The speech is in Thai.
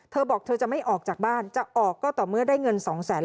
เธอบอกเธอจะไม่ออกจากบ้านจะออกก็ต่อเมื่อได้เงินสองแสน